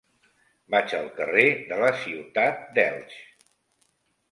Vaig al carrer de la Ciutat d'Elx.